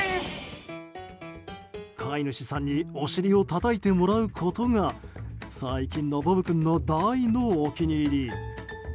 飼い主さんにお尻をたたいてもらうことが最近のボブ君の大のお気に入り。